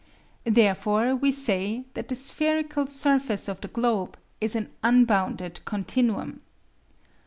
Therefore we say that the spherical surface of the globe is an unbounded continuum.